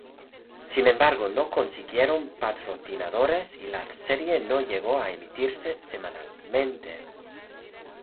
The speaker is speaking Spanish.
Sin embargo, no consiguieron patrocinadores y la serie no llegó a emitirse semanalmente.